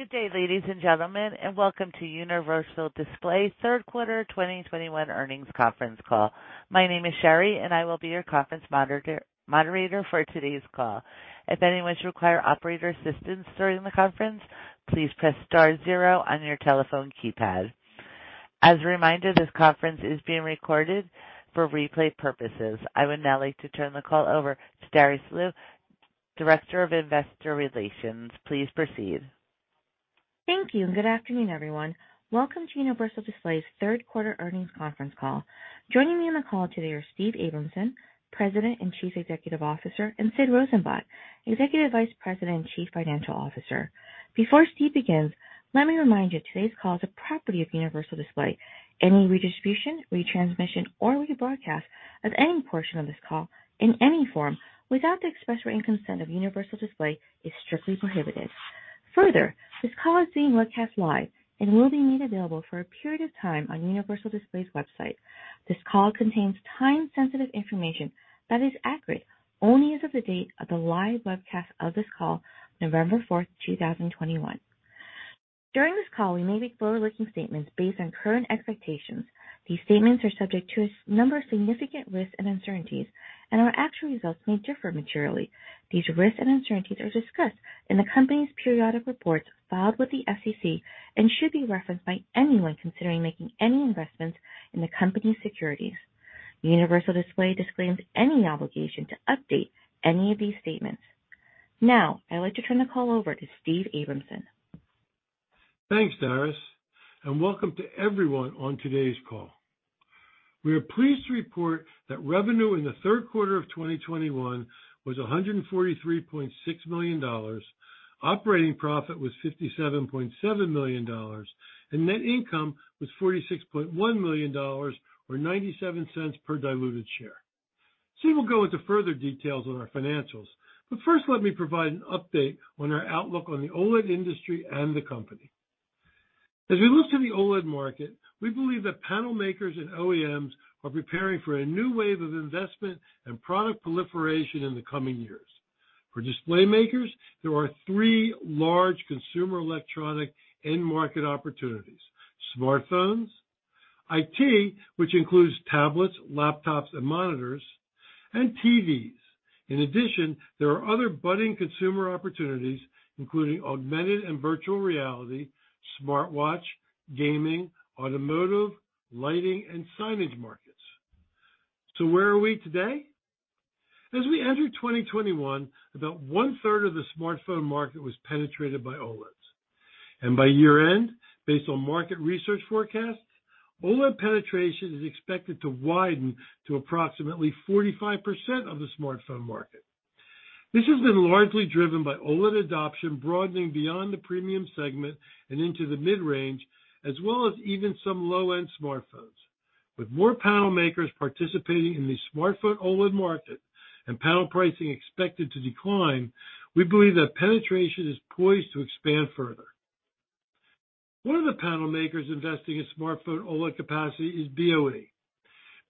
Good day, ladies and gentlemen, and welcome to Universal Display's third quarter 2021 earnings conference call. My name is Sherry, and I will be your conference moderator for today's call. If anyone should require operator assistance during the conference, please press star zero on your telephone keypad. As a reminder, this conference is being recorded for replay purposes. I would now like to turn the call over to Darice Liu, Director of Investor Relations. Please proceed. Thank you, and good afternoon, everyone. Welcome to Universal Display's third quarter earnings conference call. Joining me on the call today are Steve Abramson, President and Chief Executive Officer, and Sid Rosenblatt, Executive Vice President and Chief Financial Officer. Before Steve begins, let me remind you today's call is a property of Universal Display. Any redistribution, retransmission, or rebroadcast of any portion of this call in any form without the express written consent of Universal Display is strictly prohibited. Further, this call is being webcast live and will be made available for a period of time on Universal Display's website. This call contains time-sensitive information that is accurate only as of the date of the live webcast of this call, November 4th, 2021. During this call, we may make forward-looking statements based on current expectations. These statements are subject to a number of significant risks and uncertainties, and our actual results may differ materially. These risks and uncertainties are discussed in the company's periodic reports filed with the SEC and should be referenced by anyone considering making any investments in the company's securities. Universal Display disclaims any obligation to update any of these statements. Now, I'd like to turn the call over to Steve Abramson. Thanks, Darice, and welcome to everyone on today's call. We are pleased to report that revenue in the third quarter of 2021 was $143.6 million, operating profit was $57.7 million, and net income was $46.1 million or $0.97 per diluted share. Steve will go into further details on our financials, but first, let me provide an update on our outlook on the OLED industry and the company. As we look to the OLED market, we believe that panel makers and OEMs are preparing for a new wave of investment and product proliferation in the coming years. For display makers, there are three large consumer electronic end market opportunities: smartphones, IT, which includes tablets, laptops, and monitors, and TVs. In addition, there are other budding consumer opportunities, including augmented and virtual reality, smartwatch, gaming, automotive, lighting, and signage markets. Where are we today? As we entered 2021, about 1/3 of the smartphone market was penetrated by OLEDs. By year-end, based on market research forecasts, OLED penetration is expected to widen to approximately 45% of the smartphone market. This has been largely driven by OLED adoption broadening beyond the premium segment and into the mid-range, as well as even some low-end smartphones. With more panel makers participating in the smartphone OLED market and panel pricing expected to decline, we believe that penetration is poised to expand further. One of the panel makers investing in smartphone OLED capacity is BOE.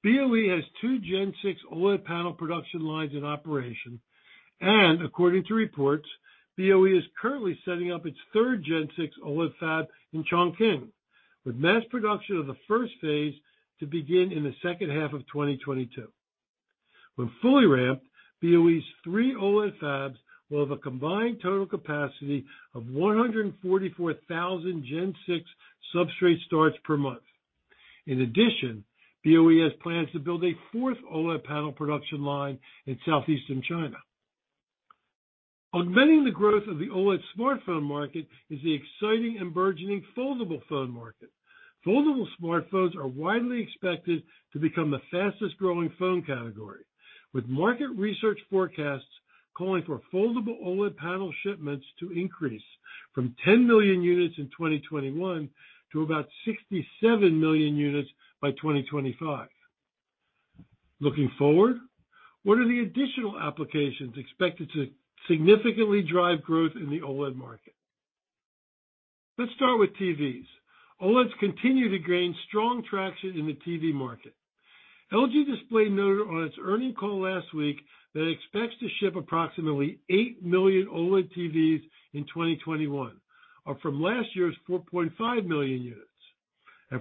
BOE has two Gen 6 OLED panel production lines in operation, and according to reports, BOE is currently setting up its third Gen 6 OLED fab in Chongqing, with mass production of the first phase to begin in the second half of 2022. When fully ramped, BOE's three OLED fabs will have a combined total capacity of 144,000 Gen 6 substrate starts per month. In addition, BOE has plans to build a fourth OLED panel production line in Southeastern China. Augmenting the growth of the OLED smartphone market is the exciting and burgeoning foldable phone market. Foldable smartphones are widely expected to become the fastest-growing phone category, with market research forecasts calling for foldable OLED panel shipments to increase from 10 million units in 2021 to about 67 million units by 2025. Looking forward, what are the additional applications expected to significantly drive growth in the OLED market? Let's start with TVs. OLEDs continue to gain strong traction in the TV market. LG Display noted on its earnings call last week that it expects to ship approximately 8 million OLED TVs in 2021, up from last year's 4.5 million units.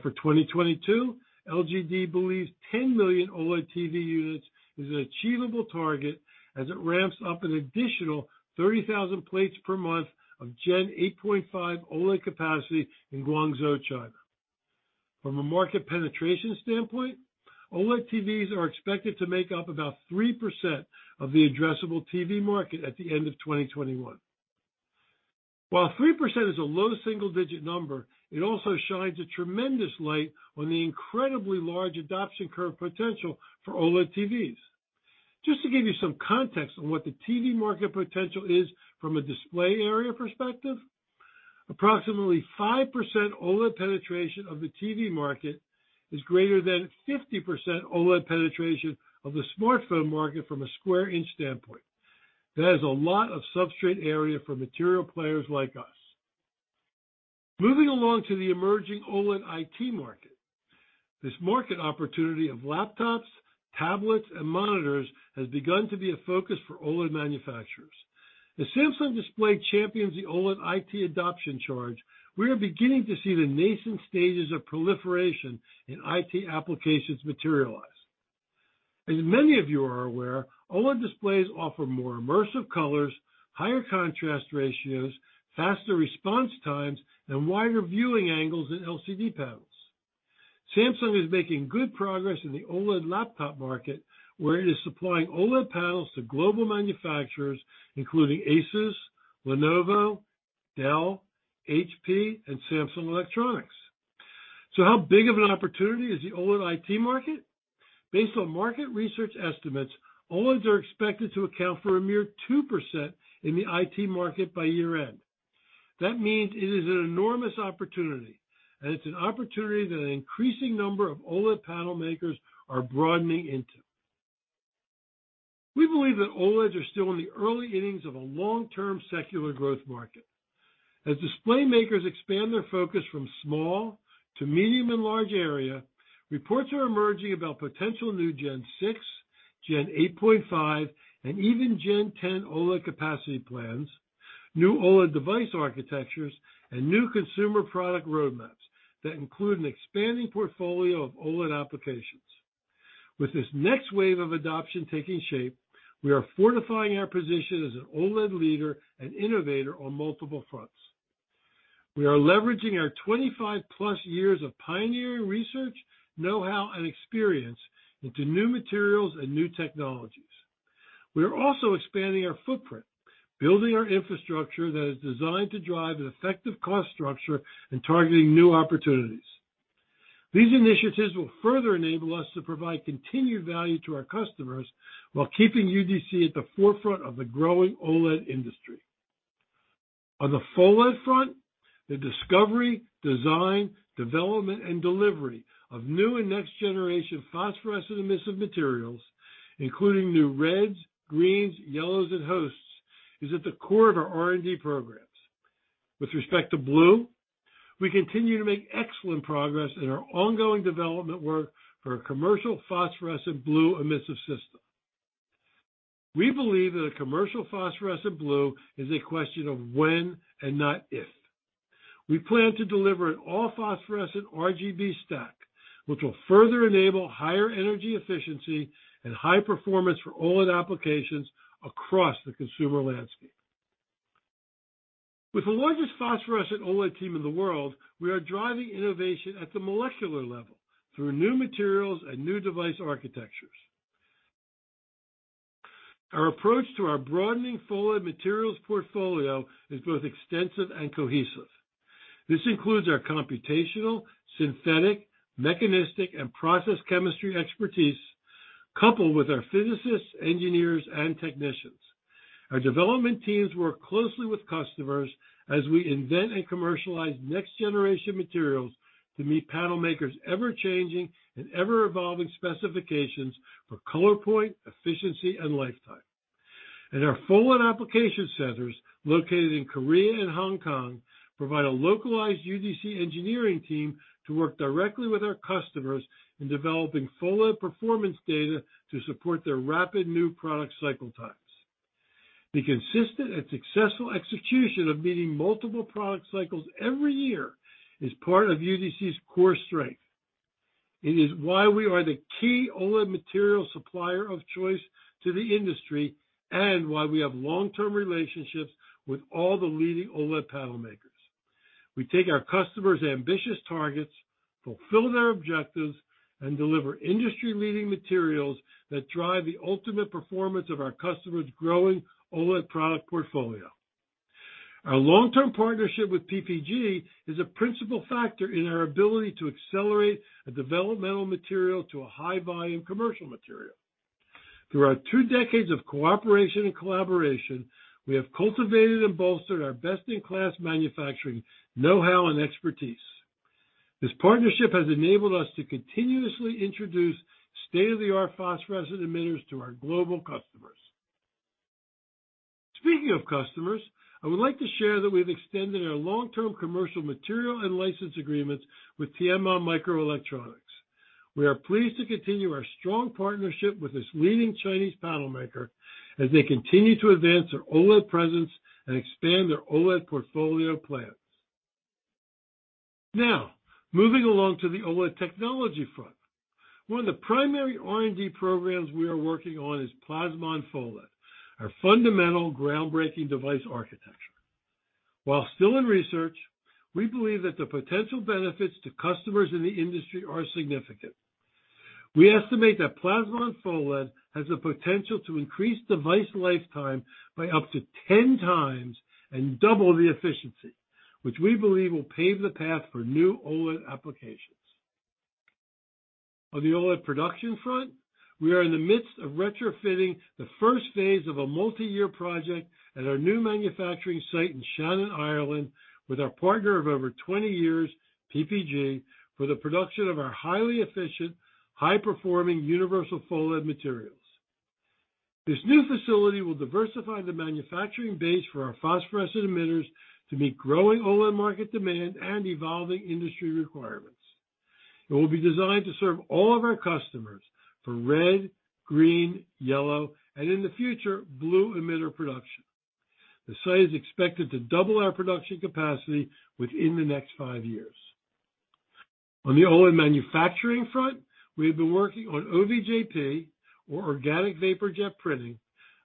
For 2022, LGD believes 10 million OLED TV units is an achievable target as it ramps up an additional 30,000 plates per month of Gen 8.5 OLED capacity in Guangzhou, China. From a market penetration standpoint, OLED TVs are expected to make up about 3% of the addressable TV market at the end of 2021. While 3% is a low single-digit number, it also shines a tremendous light on the incredibly large adoption curve potential for OLED TVs. Just to give you some context on what the TV market potential is from a display area perspective, approximately 5% OLED penetration of the TV market is greater than 50% OLED penetration of the smartphone market from a square inch standpoint. That is a lot of substrate area for material players like us. Moving along to the emerging OLED IT market. This market opportunity of laptops, tablets, and monitors has begun to be a focus for OLED manufacturers. As Samsung Display champions the OLED IT adoption charge, we are beginning to see the nascent stages of proliferation in IT applications materialize. As many of you are aware, OLED displays offer more immersive colors, higher contrast ratios, faster response times, and wider viewing angles than LCD panels. Samsung is making good progress in the OLED laptop market, where it is supplying OLED panels to global manufacturers, including Asus, Lenovo, Dell, HP, and Samsung Electronics. How big of an opportunity is the OLED IT market? Based on market research estimates, OLEDs are expected to account for a mere 2% in the IT market by year-end. That means it is an enormous opportunity, and it's an opportunity that an increasing number of OLED panel makers are broadening into. We believe that OLEDs are still in the early innings of a long-term secular growth market. As display makers expand their focus from small to medium and large area, reports are emerging about potential new Gen 6, Gen 8.5, and even Gen 10 OLED capacity plans, new OLED device architectures, and new consumer product roadmaps that include an expanding portfolio of OLED applications. With this next wave of adoption taking shape, we are fortifying our position as an OLED leader and innovator on multiple fronts. We are leveraging our 25+ years of pioneering research, know-how, and experience into new materials and new technologies. We are also expanding our footprint, building our infrastructure that is designed to drive an effective cost structure and targeting new opportunities. These initiatives will further enable us to provide continued value to our customers while keeping UDC at the forefront of the growing OLED industry. On the OLED front, the discovery, design, development, and delivery of new and next-generation phosphorescent emissive materials, including new reds, greens, yellows, and hosts, is at the core of our R&D programs. With respect to blue, we continue to make excellent progress in our ongoing development work for a commercial phosphorescent blue emissive system. We believe that a commercial phosphorescent blue is a question of when and not if. We plan to deliver an all-phosphorescent RGB stack, which will further enable higher energy efficiency and high performance for OLED applications across the consumer landscape. With the largest phosphorescent OLED team in the world, we are driving innovation at the molecular level through new materials and new device architectures. Our approach to our broadening OLED materials portfolio is both extensive and cohesive. This includes our computational, synthetic, mechanistic, and process chemistry expertise, coupled with our physicists, engineers, and technicians. Our development teams work closely with customers as we invent and commercialize next-generation materials to meet panel makers' ever-changing and ever-evolving specifications for color point, efficiency, and lifetime. Our full OLED application centers located in Korea and Hong Kong provide a localized UDC engineering team to work directly with our customers in developing full OLED performance data to support their rapid new product cycle times. The consistent and successful execution of meeting multiple product cycles every year is part of UDC's core strength. It is why we are the key OLED material supplier of choice to the industry and why we have long-term relationships with all the leading OLED panel makers. We take our customers' ambitious targets, fulfill their objectives, and deliver industry-leading materials that drive the ultimate performance of our customers' growing OLED product portfolio. Our long-term partnership with PPG is a principal factor in our ability to accelerate a developmental material to a high-volume commercial material. Through our two decades of cooperation and collaboration, we have cultivated and bolstered our best-in-class manufacturing know-how and expertise. This partnership has enabled us to continuously introduce state-of-the-art phosphorescent emitters to our global customers. Speaking of customers, I would like to share that we've extended our long-term commercial material and license agreements with Tianma Microelectronics. We are pleased to continue our strong partnership with this leading Chinese panel maker as they continue to advance their OLED presence and expand their OLED portfolio plans. Now, moving along to the OLED technology front. One of the primary R&D programs we are working on is Plasmonic OLED, our fundamental groundbreaking device architecture. While still in research, we believe that the potential benefits to customers in the industry are significant. We estimate that Plasmonic OLED has the potential to increase device lifetime by up to 10 times and double the efficiency, which we believe will pave the path for new OLED applications. On the OLED production front, we are in the midst of retrofitting the first phase of a multi-year project at our new manufacturing site in Shannon, Ireland with our partner of over 20 years, PPG, for the production of our highly efficient, high-performing Universal OLED materials. This new facility will diversify the manufacturing base for our phosphorescent emitters to meet growing OLED market demand and evolving industry requirements. It will be designed to serve all of our customers for red, green, yellow, and in the future, blue emitter production. The site is expected to double our production capacity within the next 5 years. On the OLED manufacturing front, we have been working on OVJP, or organic vapor jet printing,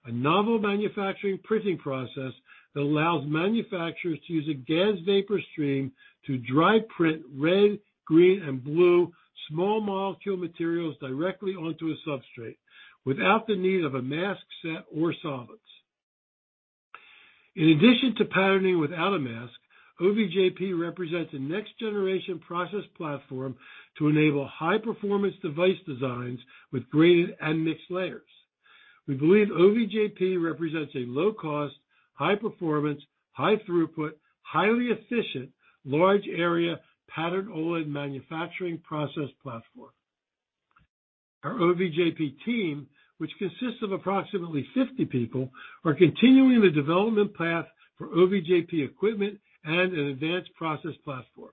a novel manufacturing printing process that allows manufacturers to use a gas vapor stream to dry print red, green and blue small molecule materials directly onto a substrate without the need of a mask set or solvents. In addition to patterning without a mask, OVJP represents a next-generation process platform to enable high-performance device designs with graded and mixed layers. We believe OVJP represents a low cost, high performance, high throughput, highly efficient, large area patterned OLED manufacturing process platform. Our OVJP team, which consists of approximately 50 people, are continuing the development path for OVJP equipment and an advanced process platform.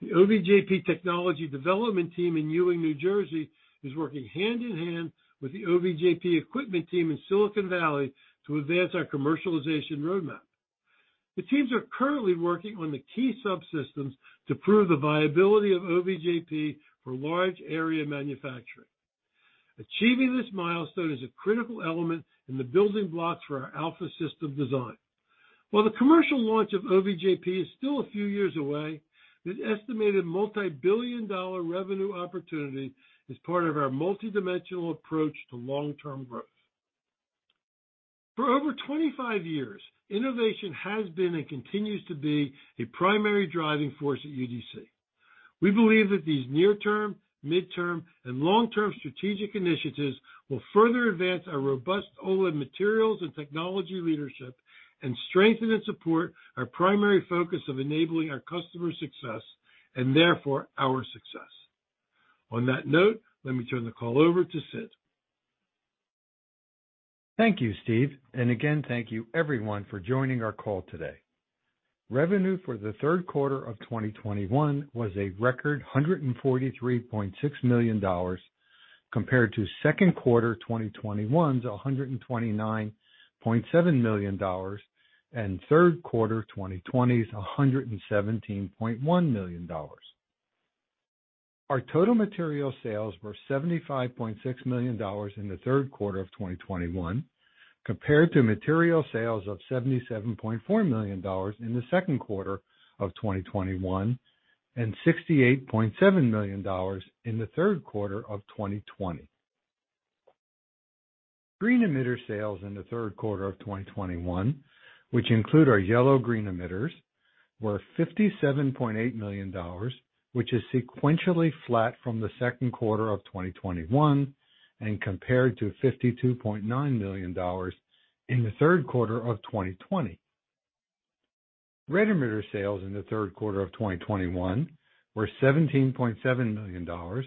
The OVJP technology development team in Ewing, New Jersey, is working hand in hand with the OVJP equipment team in Silicon Valley to advance our commercialization roadmap. The teams are currently working on the key subsystems to prove the viability of OVJP for large area manufacturing. Achieving this milestone is a critical element in the building blocks for our alpha system design. While the commercial launch of OVJP is still a few years away, this estimated multi-billion-dollar revenue opportunity is part of our multidimensional approach to long-term growth. For over 25 years, innovation has been and continues to be a primary driving force at UDC. We believe that these near-term, midterm, and long-term strategic initiatives will further advance our robust OLED materials and technology leadership and strengthen and support our primary focus of enabling our customers' success and therefore our success. On that note, let me turn the call over to Sid. Thank you, Steve, and again, thank you everyone for joining our call today. Revenue for the third quarter of 2021 was a record $143.6 million compared to second quarter 2021's $129.7 million and third quarter 2020's $117.1 million. Our total material sales were $75.6 million in the third quarter of 2021 compared to material sales of $77.4 million in the second quarter of 2021 and $68.7 million in the third quarter of 2020. Green emitter sales in the third quarter of 2021, which include our yellow-green emitters, were $57.8 million, which is sequentially flat from the second quarter of 2021 and compared to $52.9 million in the third quarter of 2020. Red emitter sales in the third quarter of 2021 were $17.7 million.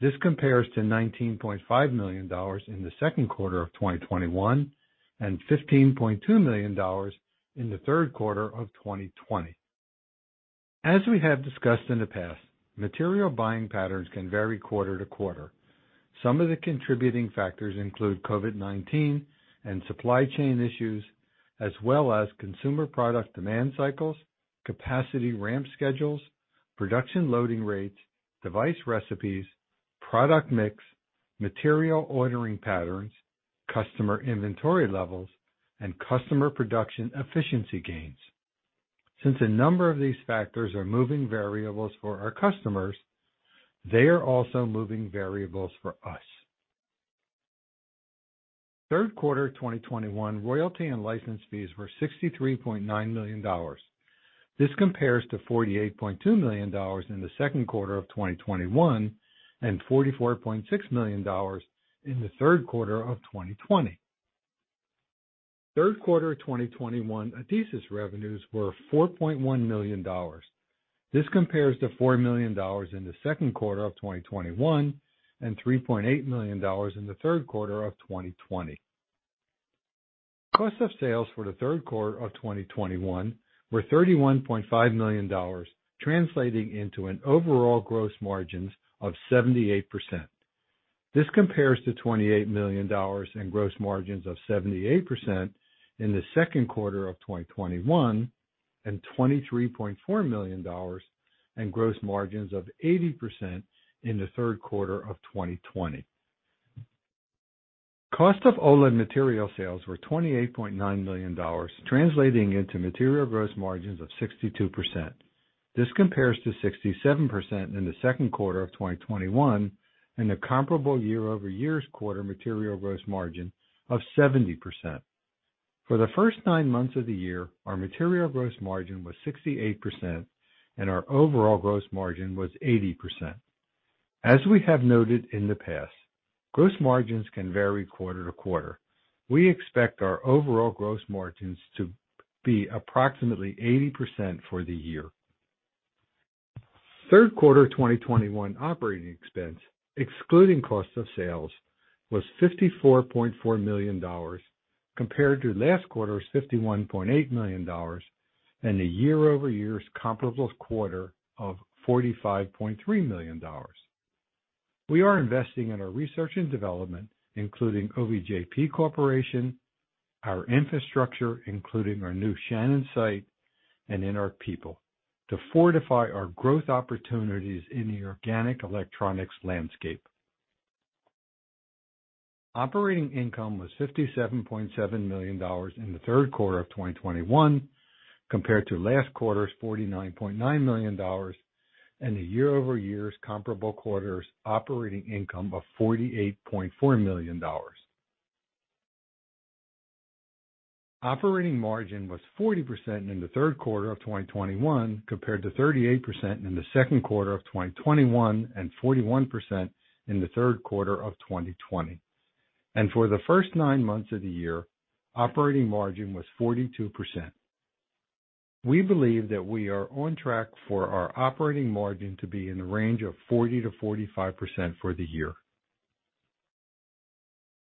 This compares to $19.5 million in the second quarter of 2021 and $15.2 million in the third quarter of 2020. As we have discussed in the past, material buying patterns can vary quarter to quarter. Some of the contributing factors include COVID-19 and supply chain issues as well as consumer product demand cycles, capacity ramp schedules, production loading rates, device recipes, product mix, material ordering patterns, customer inventory levels, and customer production efficiency gains. Since a number of these factors are moving variables for our customers, they are also moving variables for us. Third quarter 2021 royalty and license fees were $63.9 million. This compares to $48.2 million in the second quarter of 2021 and $44.6 million in the third quarter of 2020. Third quarter of 2021 Adesis revenues were $4.1 million. This compares to $4 million in the second quarter of 2021 and $3.8 million in the third quarter of 2020. Cost of sales for the third quarter of 2021 were $31.5 million, translating into an overall gross margins of 78%. This compares to $28 million in gross margins of 78% in the second quarter of 2021 and $23.4 million in gross margins of 80% in the third quarter of 2020. Cost of OLED material sales were $28.9 million, translating into material gross margins of 62%. This compares to 67% in the second quarter of 2021 and a comparable year-over-year quarter material gross margin of 70%. For the first nine months of the year, our material gross margin was 68%, and our overall gross margin was 80%. As we have noted in the past, gross margins can vary quarter to quarter. We expect our overall gross margins to be approximately 80% for the year. Third quarter 2021 operating expense, excluding cost of sales, was $54.4 million compared to last quarter's $51.8 million and a year-over-year's comparable quarter of $45.3 million. We are investing in our research and development, including OVJP Corporation, our infrastructure, including our new Shannon site, and in our people to fortify our growth opportunities in the organic electronics landscape. Operating income was $57.7 million in the third quarter of 2021 compared to last quarter's $49.9 million and a year-over-year's comparable quarter's operating income of $48.4 million. Operating margin was 40% in the third quarter of 2021 compared to 38% in the second quarter of 2021 and 41% in the third quarter of 2020. For the first nine months of the year, operating margin was 42%. We believe that we are on track for our operating margin to be in the range of 40%-45% for the year.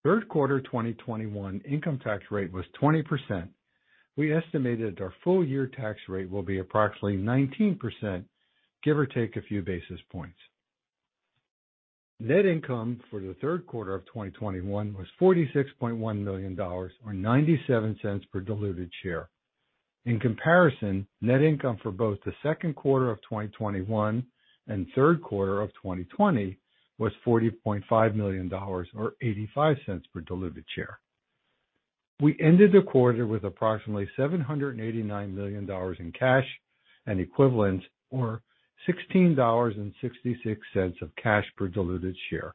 Third quarter 2021 income tax rate was 20%. We estimated our full year tax rate will be approximately 19%, give or take a few basis points. Net income for the third quarter of 2021 was $46.1 million or $0.97 per diluted share. In comparison, net income for both the second quarter of 2021 and third quarter of 2020 was $40.5 million or $0.85 per diluted share. We ended the quarter with approximately $789 million in cash and equivalents, or $16.66 of cash per diluted share.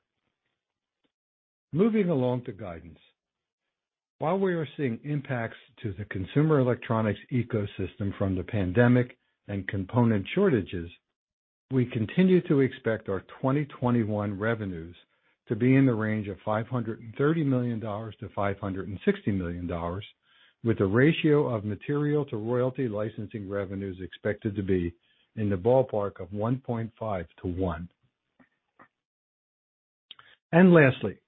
Moving along to guidance. While we are seeing impacts to the consumer electronics ecosystem from the pandemic and component shortages, we continue to expect our 2021 revenues to be in the range of $530 million-$560 million, with the ratio of material to royalty licensing revenues expected to be in the ballpark of 1.5 to 1. Lastly,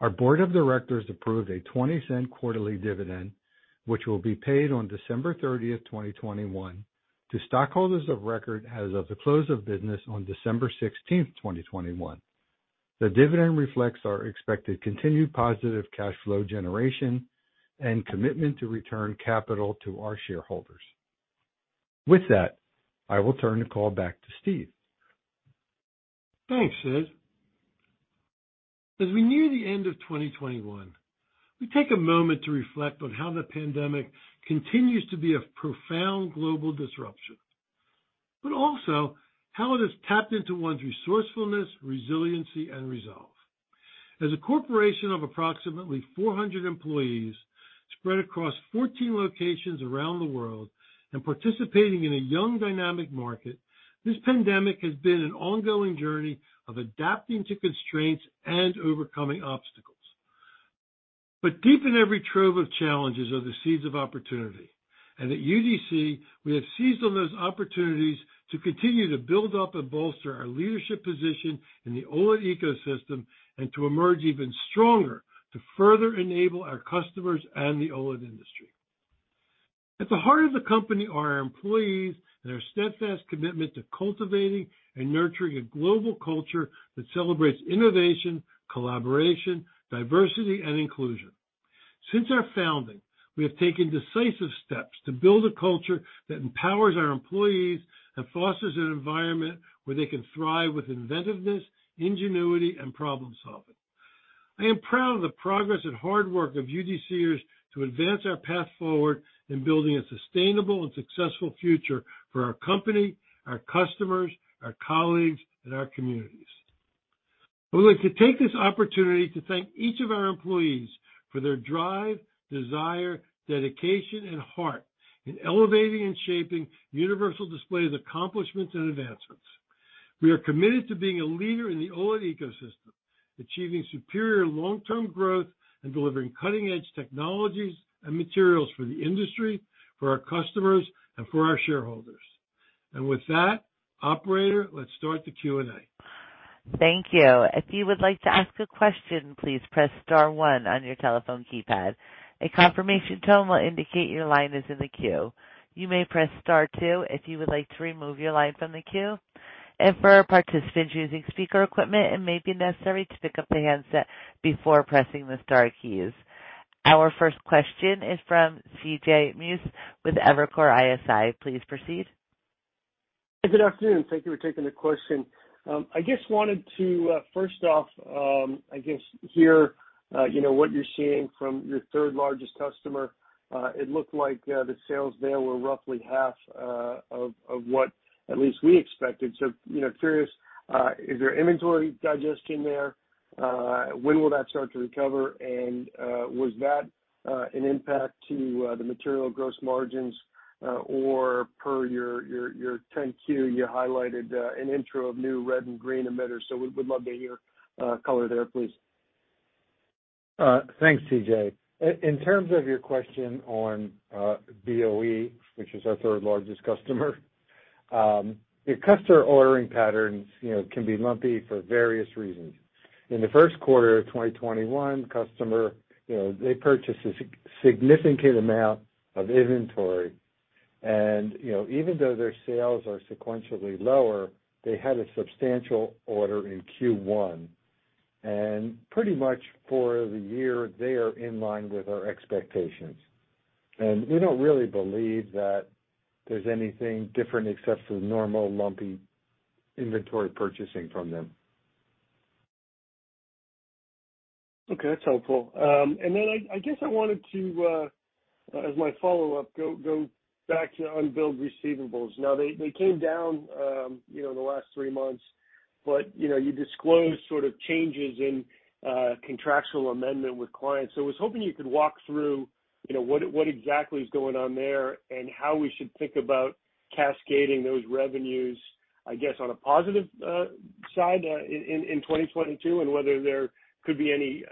our board of directors approved a 20-cent quarterly dividend, which will be paid on December 30th, 2021 to stockholders of record as of the close of business on December 16th, 2021. The dividend reflects our expected continued positive cash flow generation and commitment to return capital to our shareholders. With that, I will turn the call back to Steve. Thanks, Sid. As we near the end of 2021, we take a moment to reflect on how the pandemic continues to be a profound global disruption, but also how it has tapped into one's resourcefulness, resiliency, and resolve. As a corporation of approximately 400 employees spread across 14 locations around the world and participating in a young, dynamic market, this pandemic has been an ongoing journey of adapting to constraints and overcoming obstacles. Deep in every trove of challenges are the seeds of opportunity. At UDC, we have seized on those opportunities to continue to build up and bolster our leadership position in the OLED ecosystem and to emerge even stronger to further enable our customers and the OLED industry. At the heart of the company are our employees and our steadfast commitment to cultivating and nurturing a global culture that celebrates innovation, collaboration, diversity, and inclusion. Since our founding, we have taken decisive steps to build a culture that empowers our employees and fosters an environment where they can thrive with inventiveness, ingenuity, and problem-solving. I am proud of the progress and hard work of UDCers to advance our path forward in building a sustainable and successful future for our company, our customers, our colleagues, and our communities. I would like to take this opportunity to thank each of our employees for their drive, desire, dedication, and heart in elevating and shaping Universal Display's accomplishments and advancements. We are committed to being a leader in the OLED ecosystem, achieving superior long-term growth, and delivering cutting-edge technologies and materials for the industry, for our customers, and for our shareholders. With that, operator, let's start the Q&A. Thank you. If you would like to ask a question, please press star one on your telephone keypad. A confirmation tone will indicate your line is in the queue. You may press Star two if you would like to remove your line from the queue. For our participants using speaker equipment, it may be necessary to pick up the handset before pressing the star keys. Our first question is from CJ Muse with Evercore ISI. Please proceed. Good afternoon. Thank you for taking the question. I just wanted to first off I guess hear you know what you're seeing from your third largest customer. It looked like the sales there were roughly half of what at least we expected. You know, curious, is there inventory digestion there? When will that start to recover? And was that an impact to the material gross margins or per your 10-Q, you highlighted an intro of new red and green emitters. We'd love to hear color there, please. Thanks, CJIn terms of your question on BOE, which is our third-largest customer, your customer ordering patterns, you know, can be lumpy for various reasons. In the first quarter of 2021, customer, you know, they purchased a significant amount of inventory. You know, even though their sales are sequentially lower, they had a substantial order in Q1. Pretty much for the year, they are in line with our expectations. We don't really believe that there's anything different except for the normal lumpy inventory purchasing from them. Okay, that's helpful. I guess I wanted to, as my follow-up, go back to unbilled receivables. Now they came down, you know, in the last three months, but you know, you disclosed sort of changes in contractual amendment with clients. I was hoping you could walk through, you know, what exactly is going on there and how we should think about cascading those revenues, I guess, on a positive side, in 2022, and whether there could be any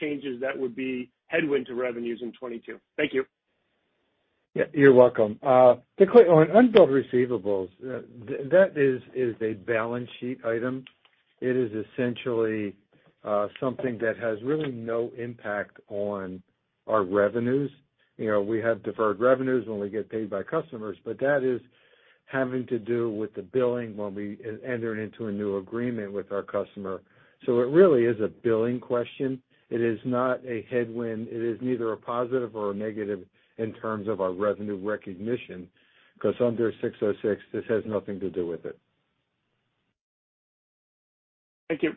changes that would be headwind to revenues in 2022. Thank you. Yeah, you're welcome. The line on unbilled receivables, that is a balance sheet item. It is essentially something that has really no impact on our revenues. You know, we have deferred revenues when we get paid by customers, but that is having to do with the billing when we enter into a new agreement with our customer. It really is a billing question. It is not a headwind. It is neither a positive or a negative in terms of our revenue recognition, 'cause under 606, this has nothing to do with it. Thank you.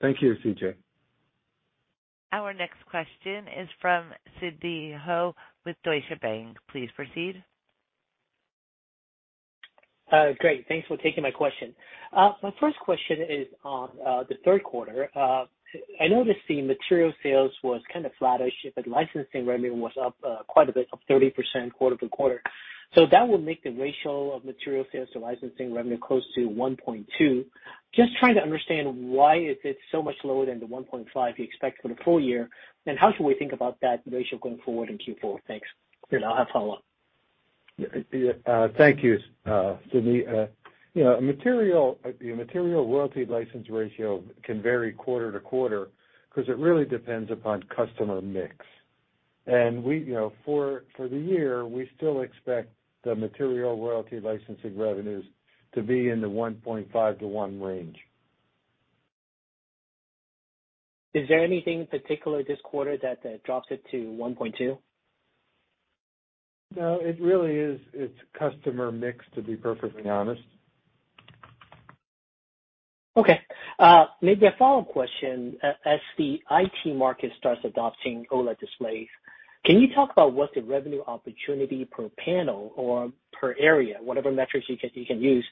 Thank you, CJ Our next question is from Sidney Ho with Deutsche Bank. Please proceed. Great. Thanks for taking my question. My first question is on the third quarter. I noticed the material sales was kind of flattish, but licensing revenue was up quite a bit, up 30% quarter-over-quarter. That would make the ratio of material sales to licensing revenue close to 1.2. Just trying to understand why is it so much lower than the 1.5 you expect for the full year, and how should we think about that ratio going forward in Q4? Thanks. Sid, I'll have follow-up. Thank you, Sidney. You know, the material royalty license ratio can vary quarter to quarter, 'cause it really depends upon customer mix. You know, for the year, we still expect the material royalty licensing revenues to be in the 1.5-to-1 range. Is there anything particular this quarter that drops it to 1.2? No, it really is, it's customer mix, to be perfectly honest. Okay. Maybe a follow-up question. As the IT market starts adopting OLED displays, can you talk about what the revenue opportunity per panel or per area, whatever metrics you can use,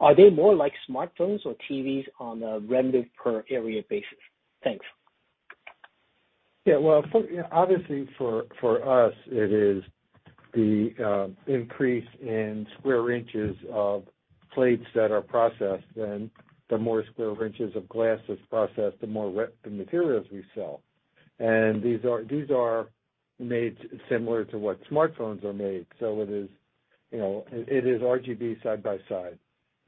are they more like smartphones or TVs on a revenue per area basis? Thanks. Yeah, well, obviously for us, it is the increase in square inches of plates that are processed, and the more square inches of glass that's processed, the more materials we sell. These are made similar to what smartphones are made, so it is, you know, it is RGB side by side.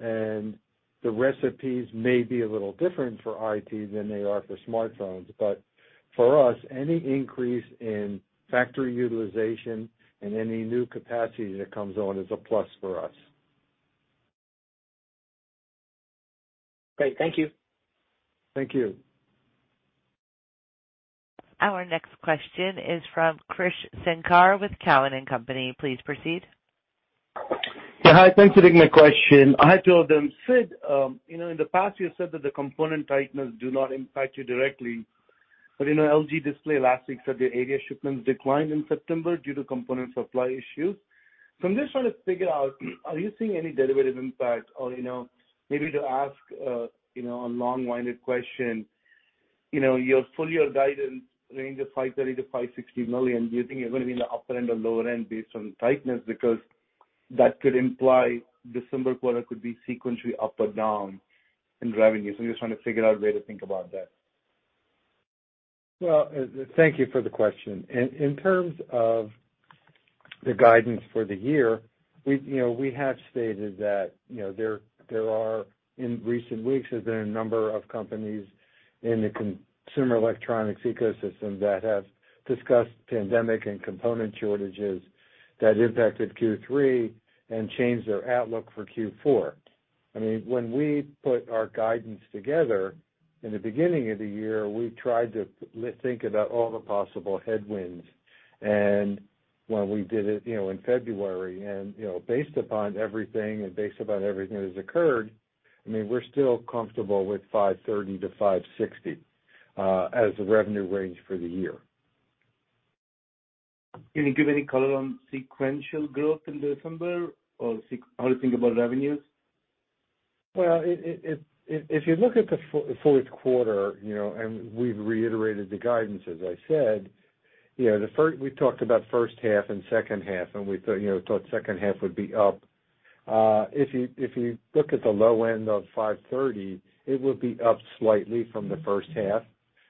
The recipes may be a little different for IT than they are for smartphones, but for us, any increase in factory utilization and any new capacity that comes on is a plus for us. Great. Thank you. Thank you. Our next question is from Krish Sankar with Cowen and Company. Please proceed. Yeah. Hi, thanks for taking my question. I have two of them. Sid, you know, in the past you have said that the component tightness do not impact you directly, but you know, LG Display last week said their area shipments declined in September due to component supply issues. I'm just trying to figure out, are you seeing any derivative impact or, you know, maybe to ask a long-winded question, you know, your full year guidance range of $530 million-$560 million, do you think you're gonna be in the upper end or lower end based on tightness? Because that could imply December quarter could be sequentially up or down in revenues. I'm just trying to figure out a way to think about that. Thank you for the question. In terms of the guidance for the year, you know, we have stated that, you know, there are in recent weeks, there's been a number of companies in the consumer electronics ecosystem that have discussed pandemic and component shortages that impacted Q3 and changed their outlook for Q4. I mean, when we put our guidance together in the beginning of the year, we tried to think about all the possible headwinds. When we did it, you know, in February and, you know, based upon everything that has occurred, I mean, we're still comfortable with $530 million-$560 million as the revenue range for the year. Can you give any color on sequential growth in December or how you think about revenues? Well, if you look at the fourth quarter, you know, and we've reiterated the guidance, as I said. Yeah, we talked about first half and second half, and we thought, you know, second half would be up. If you look at the low end of $530, it would be up slightly from the first half.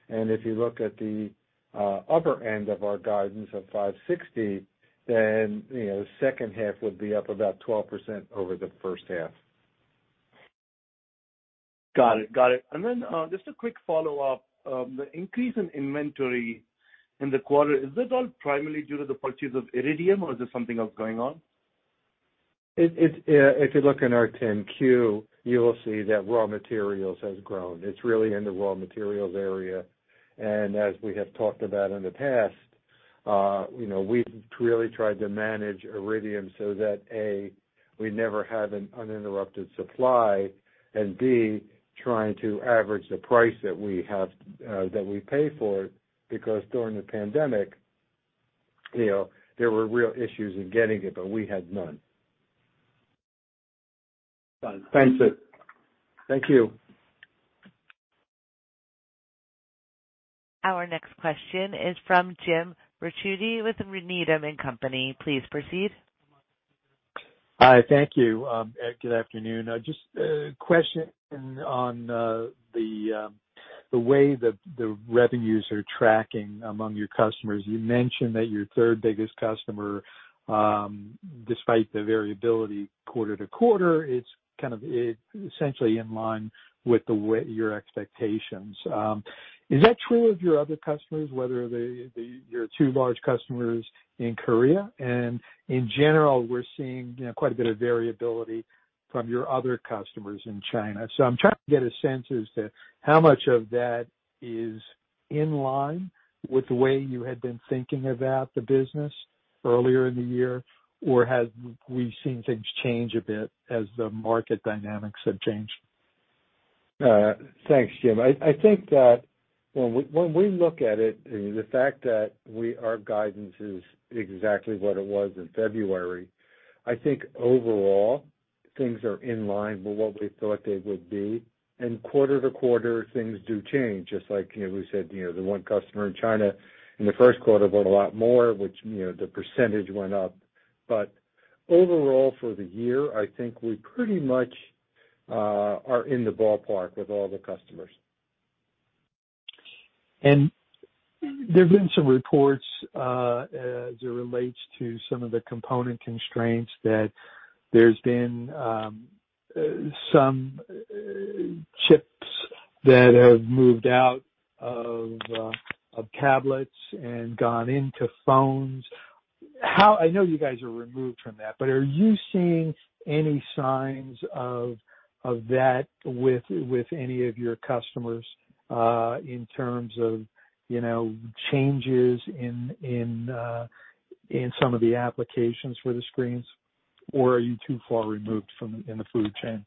If you look at the upper end of our guidance of $560, then, you know, second half would be up about 12% over the first half. Got it. Just a quick follow-up. The increase in inventory in the quarter, is this all primarily due to the purchase of Iridium, or is there something else going on? If you look in our 10-Q, you will see that raw materials has grown. It's really in the raw materials area. As we have talked about in the past, you know, we've really tried to manage Iridium so that, A, we never have an interruption in supply, and B, trying to average the price that we have, that we pay for it, because during the pandemic, you know, there were real issues in getting it, but we had none. Thanks, Sid. Thank you. Our next question is from Jim Ricchiuti with Needham & Company. Please proceed. Hi. Thank you. Good afternoon. Just a question on the way that the revenues are tracking among your customers. You mentioned that your third-biggest customer, despite the variability quarter to quarter, it's essentially in line with the way your expectations. Is that true of your other customers, whether your two large customers in Korea? In general, we're seeing, you know, quite a bit of variability from your other customers in China. I'm trying to get a sense as to how much of that is in line with the way you had been thinking about the business earlier in the year, or have we seen things change a bit as the market dynamics have changed? Thanks, Jim. I think that when we look at it, the fact that our guidance is exactly what it was in February, I think overall things are in line with what we thought they would be. Quarter to quarter, things do change, just like, you know, we said, you know, the one customer in China in the first quarter bought a lot more, which, you know, the percentage went up. But overall for the year, I think we pretty much are in the ballpark with all the customers. There's been some reports as it relates to some of the component constraints that there's been some chips that have moved out of tablets and gone into phones. I know you guys are removed from that, but are you seeing any signs of that with any of your customers in terms of you know changes in some of the applications for the screens? Or are you too far removed from the supply chain?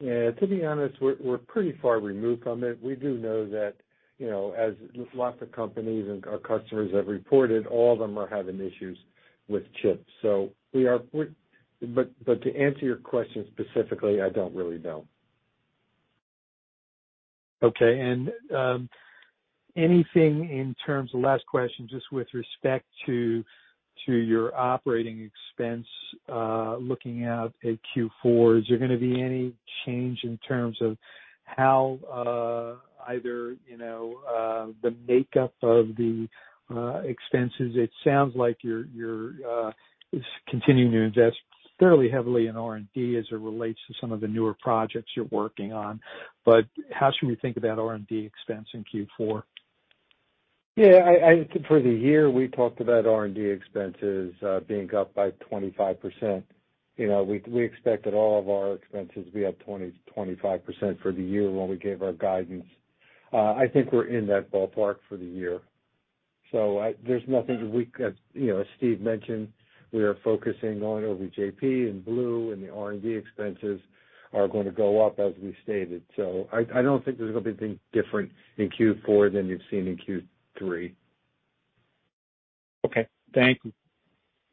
Yeah, to be honest, we're pretty far removed from it. We do know that, you know, as lots of companies and our customers have reported, all of them are having issues with chips. To answer your question specifically, I don't really know. Okay. Last question, just with respect to your operating expense, looking out at Q4, is there gonna be any change in terms of how either you know the makeup of the expenses? It sounds like you're continuing to invest fairly heavily in R&D as it relates to some of the newer projects you're working on. How should we think about R&D expense in Q4? Yeah, for the year, we talked about R&D expenses being up by 25%. You know, we expected all of our expenses to be up 20%-25% for the year when we gave our guidance. I think we're in that ballpark for the year. There's nothing, you know, as Steve mentioned, we are focusing on OVJP and blue, and the R&D expenses are gonna go up as we stated. I don't think there's gonna be anything different in Q4 than you've seen in Q3. Okay, thank you.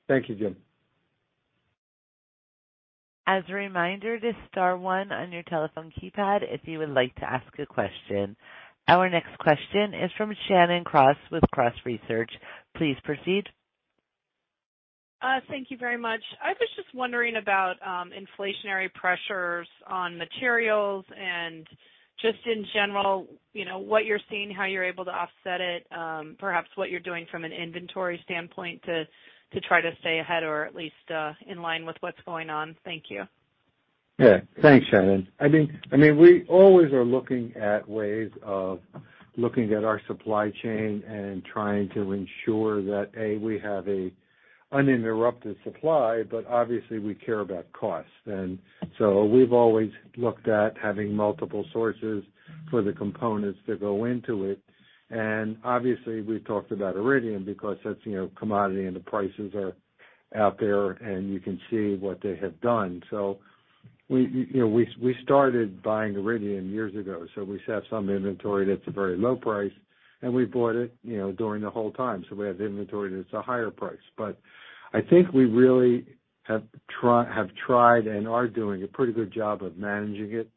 Thank you, Jim. As a reminder, just star one on your telephone keypad if you would like to ask a question. Our next question is from Shannon Cross with Cross Research. Please proceed. Thank you very much. I was just wondering about inflationary pressures on materials and just in general, you know, what you're seeing, how you're able to offset it, perhaps what you're doing from an inventory standpoint to try to stay ahead or at least in line with what's going on. Thank you. Yeah. Thanks, Shannon. I mean, we always are looking at ways of looking at our supply chain and trying to ensure that, A, we have an uninterrupted supply, but obviously we care about cost. We've always looked at having multiple sources for the components that go into it. Obviously, we've talked about Iridium because that's, you know, commodity and the prices are out there and you can see what they have done. We, you know, started buying Iridium years ago. We have some inventory that's a very low price, and we bought it, you know, during the whole time. We have inventory that's a higher price. I think we really have tried and are doing a pretty good job of managing it.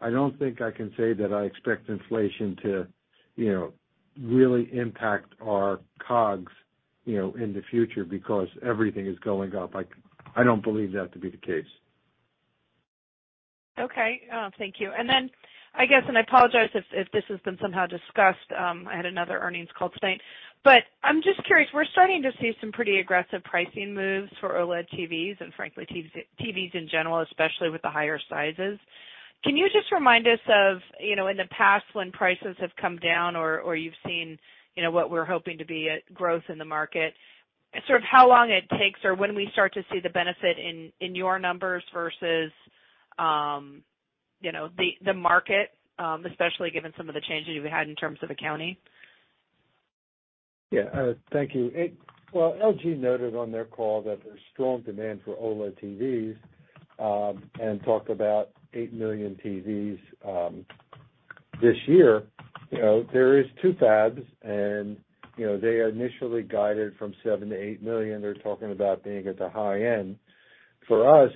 I don't think I can say that I expect inflation to, you know, really impact our COGS. You know, in the future because everything is going up. I don't believe that to be the case. Okay. Thank you. I guess I apologize if this has been somehow discussed. I had another earnings call tonight. I'm just curious, we're starting to see some pretty aggressive pricing moves for OLED TVs and frankly, TVs in general, especially with the higher sizes. Can you just remind us of, you know, in the past when prices have come down or you've seen, you know, what we're hoping to be a growth in the market, sort of how long it takes or when we start to see the benefit in your numbers versus the market, especially given some of the changes you've had in terms of accounting? Yeah. Thank you. Well, LG noted on their call that there's strong demand for OLED TVs and talked about 8 million TVs this year. You know, there are two fabs and, you know, they initially guided from 7 million-8 million. They're talking about being at the high end. For us,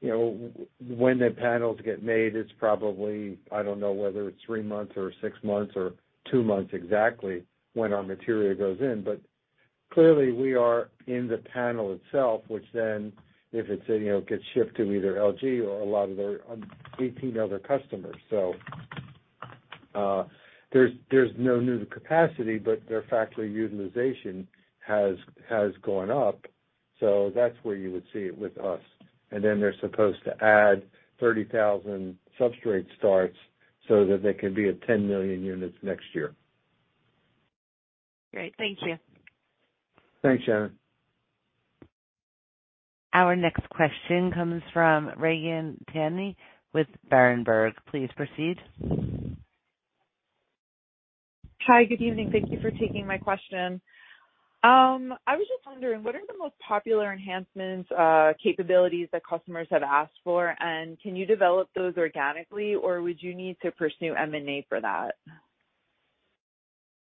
you know, when the panels get made, it's probably, I don't know whether it's three months or six months or two months exactly when our material goes in. But clearly, we are in the panel itself, which then, if it's, you know, gets shipped to either LG or a lot of their 18 other customers. So there's no new capacity, but their factory utilization has gone up. So that's where you would see it with us. They're supposed to add 30,000 substrate starts so that they can be at 10 million units next year. Great. Thank you. Thanks, Shannon. Our next question comes from Regan Tan with Berenberg. Please proceed. Hi, good evening. Thank you for taking my question. I was just wondering, what are the most popular enhancements, capabilities that customers have asked for? Can you develop those organically or would you need to pursue M&A for that?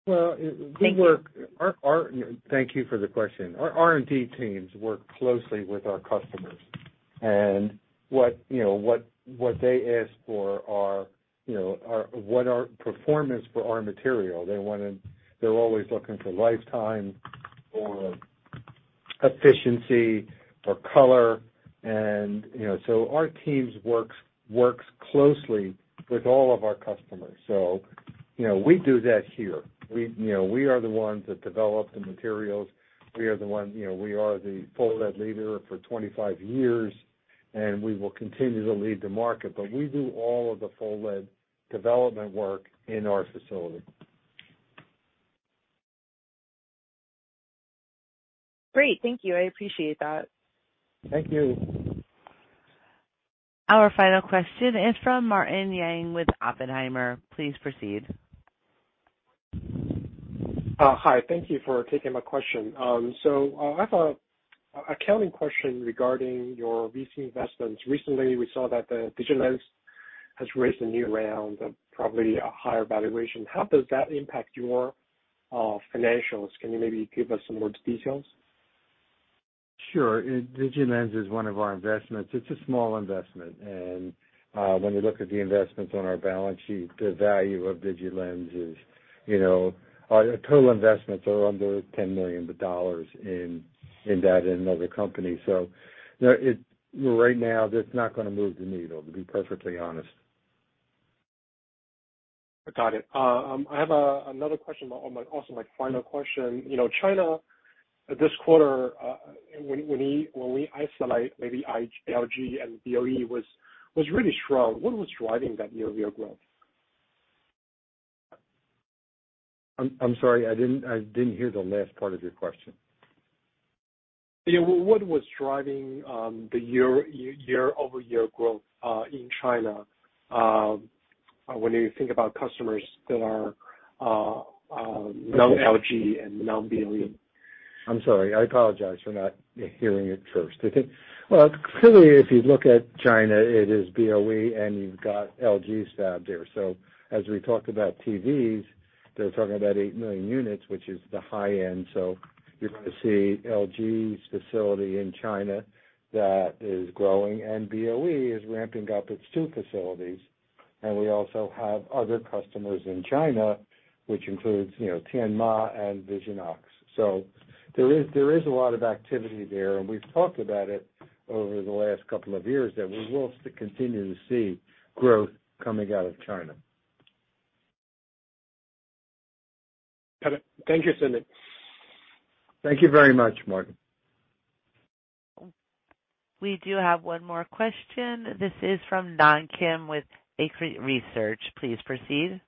Well, we work. Thank you. Thank you for the question. Our R&D teams work closely with our customers. What you know, what they ask for are, you know, performance for our material. They're always looking for lifetime or efficiency or color and, you know. Our teams works closely with all of our customers. You know, we do that here. You know, we are the ones that develop the materials. You know, we are the full OLED leader for 25 years, and we will continue to lead the market. We do all of the full OLED development work in our facility. Great. Thank you. I appreciate that. Thank you. Our final question is from Martin Yang with Oppenheimer. Please proceed. Hi. Thank you for taking my question. I have an accounting question regarding your VC investments. Recently, we saw that the DigiLens has raised a new round of probably a higher valuation. How does that impact your financials? Can you maybe give us some more details? Sure. DigiLens is one of our investments. It's a small investment. When you look at the investments on our balance sheet, the value of DigiLens is, you know, our total investments are under $10 million in that and another company. Right now, that's not gonna move the needle, to be perfectly honest. Got it. I have another question, but also my final question. You know, China, this quarter, when we isolate maybe LG and BOE was really strong. What was driving that year-over-year growth? I'm sorry, I didn't hear the last part of your question. Yeah. What was driving the year-over-year growth in China when you think about customers that are non-LG and non-BOE? I'm sorry. I apologize for not hearing it first. Well, clearly, if you look at China, it is BOE, and you've got LG fab there. As we talked about TVs, they're talking about 8 million units, which is the high end. You're gonna see LG's facility in China that is growing, and BOE is ramping up its two facilities. We also have other customers in China, which includes, you know, Tianma and Visionox. There is a lot of activity there, and we've talked about it over the last couple of years, that we will continue to see growth coming out of China. Got it. Thank you, Sid. Thank you very much, Martin. We do have one more question. This is from Nam Kim with Arete Research. Please proceed.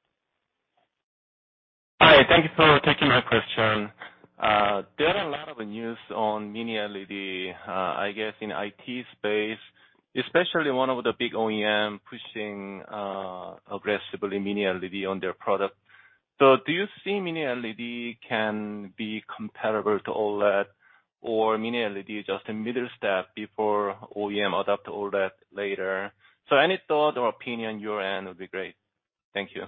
Hi, thank you for taking my question. There are a lot of news on Mini LED, I guess, in IT space, especially one of the big OEM pushing aggressively Mini LED on their product. Do you see Mini LED can be comparable to OLED, or Mini LED is just a middle step before OEM adopt OLED later? Any thought or opinion on your end would be great. Thank you.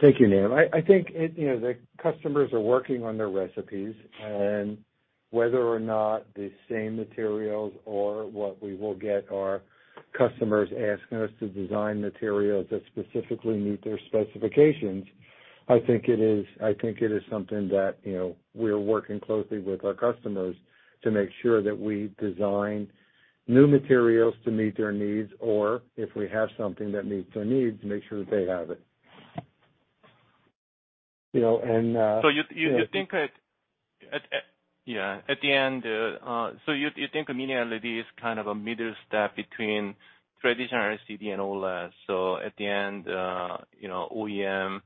Thank you, Nam. I think it, you know, the customers are working on their recipes, and whether or not the same materials or what we will get our customers asking us to design materials that specifically meet their specifications. I think it is something that, you know, we're working closely with our customers to make sure that we design new materials to meet their needs, or if we have something that meets their needs, make sure that they have it. You know. Yeah, at the end, you think Mini LED is kind of a middle step between traditional LCD and OLED. At the end, you know, OEM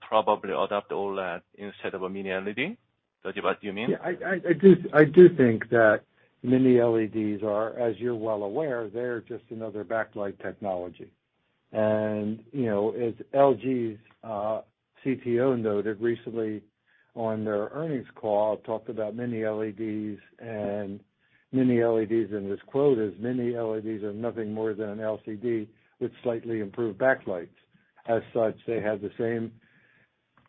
probably adopt OLED instead of a Mini LED. Is that what you mean? I do think that Mini LEDs are, as you're well aware, just another backlight technology. You know, as LG's CTO noted recently on their earnings call, talked about Mini LEDs, and his quote is, "Mini LEDs are nothing more than an LCD with slightly improved backlights. As such, they have the same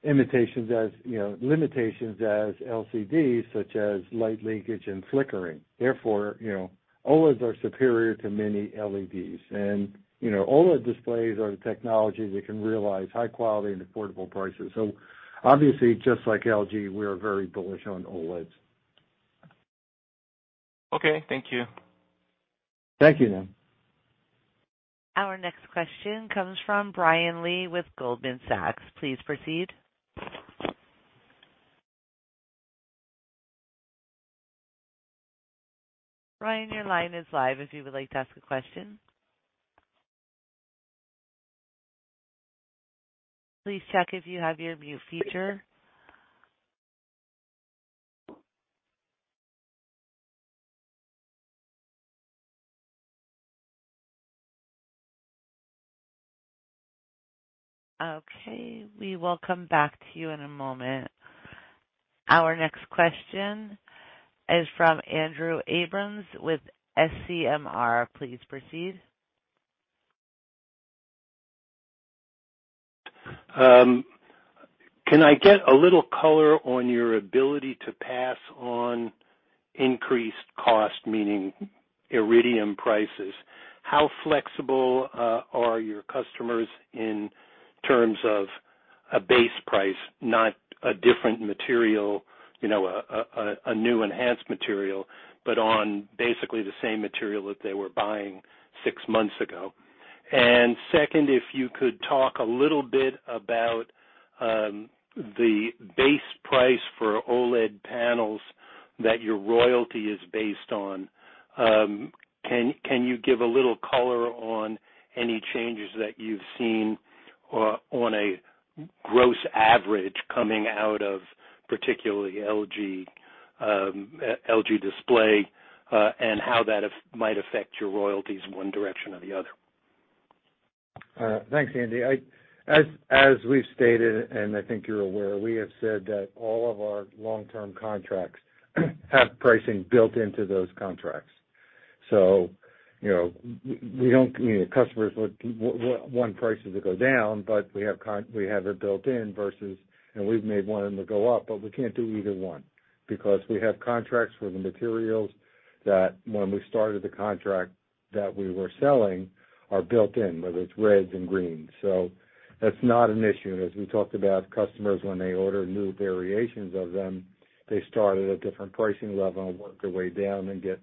limitations as LCDs, such as light leakage and flickering. Therefore, you know, OLEDs are superior to Mini LEDs. You know, OLED displays are the technology that can realize high quality and affordable prices." Obviously, just like LG, we are very bullish on OLEDs. Okay, thank you. Thank you. Our next question comes from Brian Lee with Goldman Sachs. Please proceed. Brian, your line is live if you would like to ask a question. Please check if you have your mute feature. Okay, we will come back to you in a moment. Our next question is from Andrew Abrams with SCMR. Please proceed. Can I get a little color on your ability to pass on increased cost, meaning iridium prices? How flexible are your customers in terms of a base price, not a different material, you know, a new enhanced material, but on basically the same material that they were buying six months ago. Second, if you could talk a little bit about the base price for OLED panels that your royalty is based on. Can you give a little color on any changes that you've seen on an ASP average coming out of particularly LG Display, and how that might affect your royalties in one direction or the other? Thanks, Andy. As we've stated, and I think you're aware, we have said that all of our long-term contracts have pricing built into those contracts. You know, we don't, I mean, customers would want prices to go down, but we have it built in versus, and we've made one of them to go up, but we can't do either one because we have contracts for the materials that when we started the contract that we were selling are built in, whether it's reds and greens. That's not an issue. As we talked about customers, when they order new variations of them, they start at a different pricing level and work their way down and get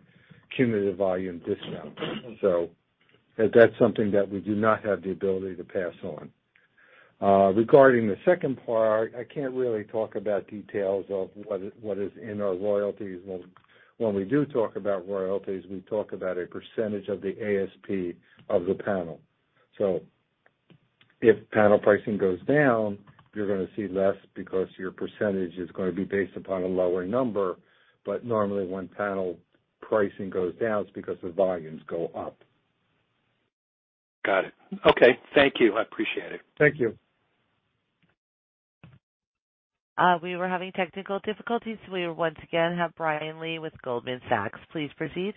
cumulative volume discounts. That's something that we do not have the ability to pass on. Regarding the second part, I can't really talk about details of what is in our royalties. When we do talk about royalties, we talk about a percentage of the ASP of the panel. If panel pricing goes down, you're gonna see less because your percentage is gonna be based upon a lower number. Normally, when panel pricing goes down, it's because the volumes go up. Got it. Okay. Thank you. I appreciate it. Thank you. We were having technical difficulties. We once again have Brian Lee with Goldman Sachs. Please proceed.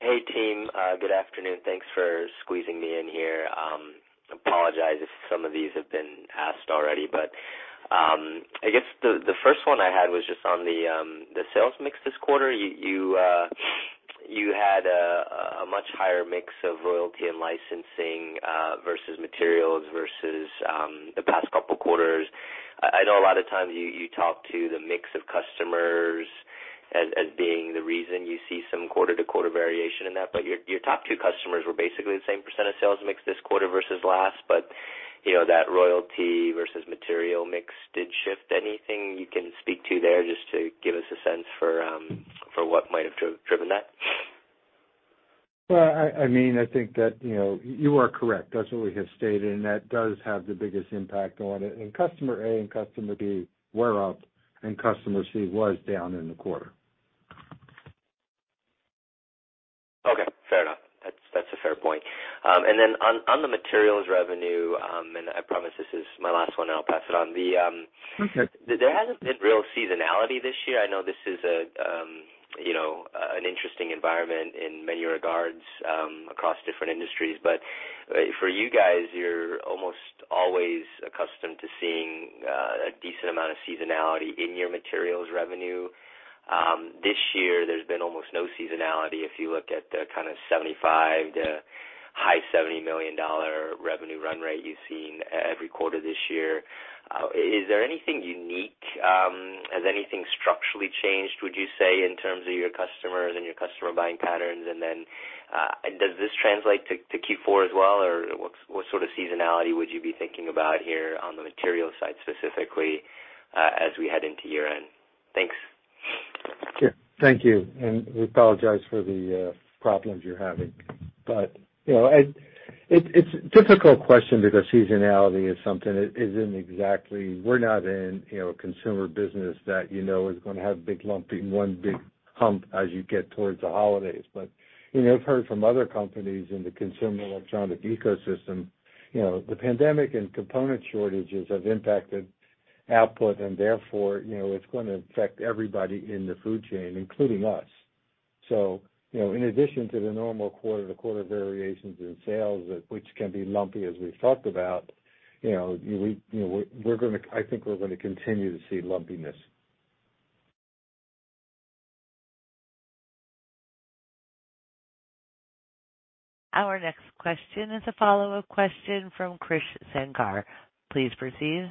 Hey, team. Good afternoon. Thanks for squeezing me in here. I apologize if some of these have been asked already, but I guess the first one I had was just on the sales mix this quarter. You had a much higher mix of royalty and licensing versus materials versus the past couple quarters. I know a lot of times you talk to the mix of customers as being the reason you see some quarter-to-quarter variation in that, but your top two customers were basically the same % of sales mix this quarter versus last. You know, that royalty versus material mix did shift. Anything you can speak to there just to give us a sense for what might have driven that? Well, I mean, I think that, you know, you are correct. That's what we have stated, and that does have the biggest impact on it. Customer A and customer B were up, and customer C was down in the quarter. Okay, fair enough. That's a fair point. On the materials revenue, and I promise this is my last one, and I'll pass it on. Okay. There hasn't been real seasonality this year. I know this is a, you know, an interesting environment in many regards, across different industries. For you guys, you're almost always accustomed to seeing a decent amount of seasonality in your materials revenue. This year there's been almost no seasonality. If you look at the kind of $75 million to high $70 million revenue run rate you've seen every quarter this year. Is there anything unique? Has anything structurally changed, would you say, in terms of your customers and your customer buying patterns? Then, does this translate to Q4 as well? What sort of seasonality would you be thinking about here on the materials side, specifically, as we head into year-end? Thanks. Sure. Thank you, and we apologize for the problems you're having. You know, it's a difficult question because seasonality is something that isn't exactly. We're not in, you know, a consumer electronics business that, you know, is gonna have big lumping, one big hump as you get towards the holidays. You know, I've heard from other companies in the consumer electronics ecosystem, you know, the pandemic and component shortages have impacted output and therefore, you know, it's going to affect everybody in the food chain, including us. You know, in addition to the normal quarter-to-quarter variations in sales, which can be lumpy as we've talked about, you know, I think we're gonna continue to see lumpiness. Our next question is a follow-up question from Krish Sankar. Please proceed.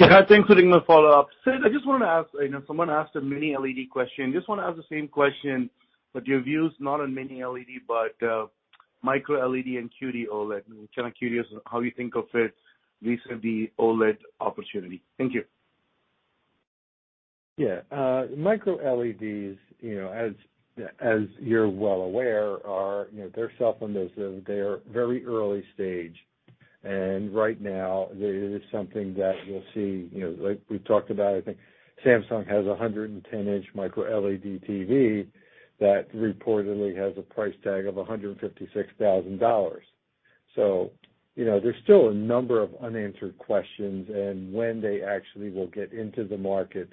Yeah. Thanks for taking my follow-up. Sid, I just wanted to ask. I know someone asked a Mini LED question. Just wanna ask the same question, but your views not on Mini LED, but micro-LED and QD-OLED. Kinda curious on how you think of it vis-a-vis OLED opportunity. Thank you. Yeah. micro-LEDs, you know, as you're well aware, are very early stage, and right now it is something that you'll see, you know, like we've talked about. I think Samsung has a 110-inch micro-LED TV that reportedly has a price tag of $156,000. You know, there's still a number of unanswered questions, and when they actually will get into the market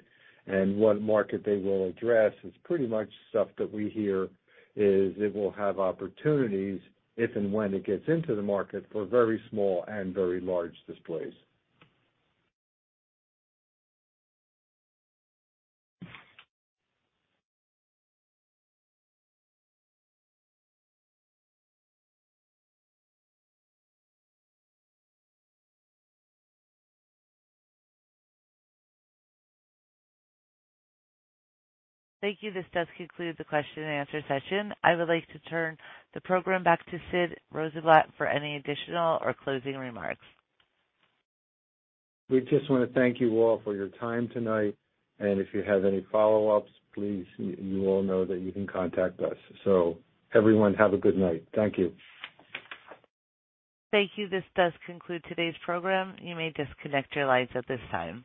and what market they will address is pretty much stuff that we hear. It will have opportunities if and when it gets into the market for very small and very large displays. Thank you. This does conclude the question and answer session. I would like to turn the program back to Sid Rosenblatt for any additional or closing remarks. We just wanna thank you all for your time tonight, and if you have any follow-ups, please, you all know that you can contact us. Everyone have a good night. Thank you. Thank you. This does conclude today's program. You may disconnect your lines at this time.